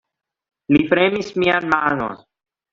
Li premis mian manon.